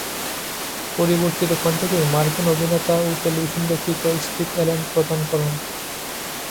পরিবর্তিত কণ্ঠটি মার্কিন অভিনেতা ও টেলিভিশন ব্যক্তিত্ব স্টিভ অ্যালেন প্রদান করেন।